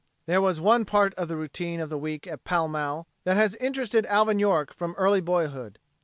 There was one part of the routine of the week at Pall Mall that has interested Alvin York from early boyhood.